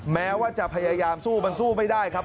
แม้ว่าจะพยายามสู้มันสู้ไม่ได้ครับ